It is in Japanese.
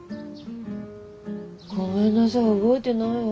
ごめんなさい覚えてないわ。